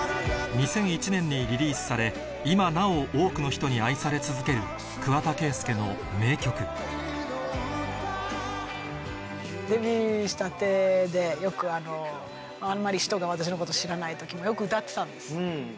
２００１年にリリースされ今なお多くの人に愛され続ける桑田佳祐の名曲デビューしたてであんまりひとが私のことを知らない時もよく歌ってたんです